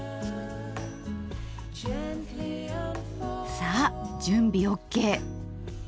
さあ準備ＯＫ。